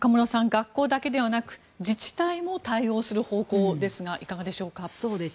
学校だけではなく自治体も対応する方向ですがいかがでしょうか。